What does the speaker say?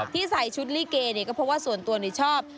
ที่ใส่ชุดลี่เกย์เนี่ยก็เพราะว่าส่วนตัวเนี่ยชอบ